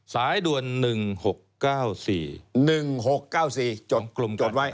สายด่วน๑๖๙๔๑๖๙๔จดไว้